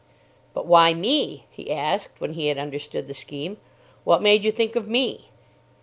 "But why me?" he asked, when he had understood the scheme. "What made you think of me?"